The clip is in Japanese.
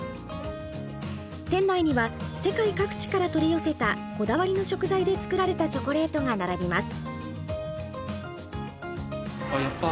店内には世界各地から取り寄せたこだわりの食材で作られたチョコレートが並びます。